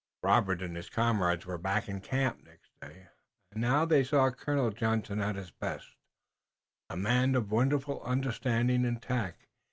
Robert and his comrades were back in the camp next day, and now they saw Colonel Johnson at his best, a man of wonderful understanding and tact.